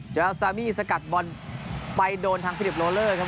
ราซามีสกัดบอลไปโดนทางฟิลิปโลเลอร์ครับ